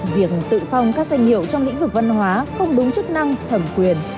việc tự phong các danh hiệu trong lĩnh vực văn hóa không đúng chức năng thẩm quyền